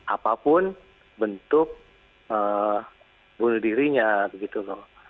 apapun bentuk bunuh dirinya begitu loh